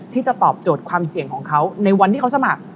ที่จะตอบโจทย์ความเสี่ยงของเขาในวันที่เขาสมัคร